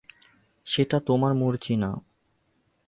সেটা তোমার মর্জি না।